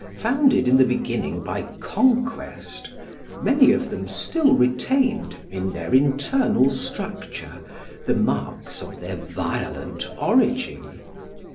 Founded in the beginning by conquest, many of them still retained, in their internal structure, the marks of their violent origin.